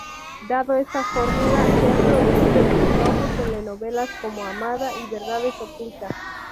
Dado esta formula, se han producido exitosas telenovelas como "Amanda" y "Verdades ocultas".